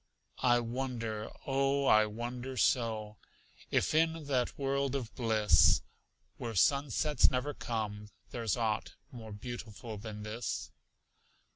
I wonder, oh, I wonder so, If in that world of bliss Where sunsets never come, there's aught More beautiful than this.